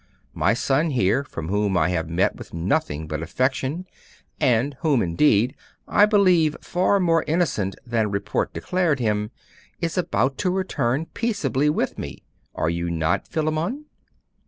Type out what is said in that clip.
My son here, from whom I have met with nothing but affection, and whom, indeed, I believe far more innocent than report declared him, is about to return peaceably with me. Are you not, Philammon?